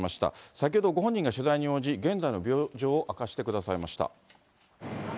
先ほど、ご本人が取材に応じ、現在の病状を明かしてくださいました。